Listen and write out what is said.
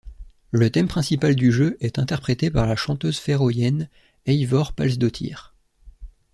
Le thème principal du jeu est interprété par la chanteuse féroienne Eivør Pálsdóttir.